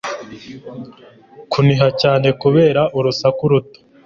Kuniha cyane kubera urusaku ruto